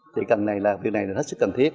thì việc này là hết sức cần thiết